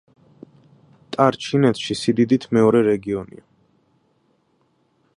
ტარ ჩინეთში სიდიდით მეორე რეგიონია.